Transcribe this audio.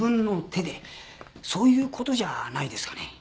そういう事じゃないですかね。